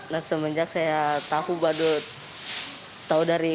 dan semenjak saya tahu badut tahu dari ustadz